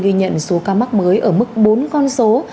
ghi nhận số ca mắc mới ở mức bốn con số